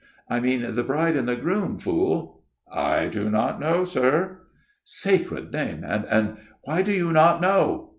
"' I mean the bride and bridegroom, fool !'"' I do not know, sir.' "' Sacred name and and why do you not know?'